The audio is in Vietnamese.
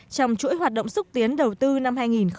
trong chuỗi hoạt động xúc tiến đầu tư năm hai nghìn một mươi chín